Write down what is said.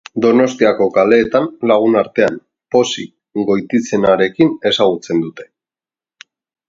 Donostiako kaleetan, lagunartean, Pozik goitizenarekin ezagutzen dute.